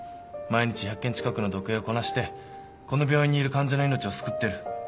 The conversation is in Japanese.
毎日１００件近くの読影をこなしてこの病院にいる患者の命を救ってる。